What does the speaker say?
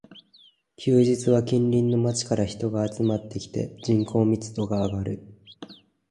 休日は近隣の街から人が集まってきて、人口密度が上がる